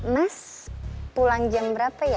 mas pulang jam berapa ya